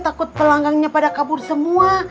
takut pelanggannya pada kabur semua